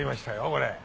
これ。